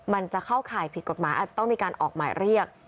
มันจะเข้าข่ายผิดกฎหมายอาจจะต้องมีการออกหมายเรียก